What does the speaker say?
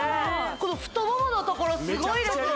この太もものところすごいですね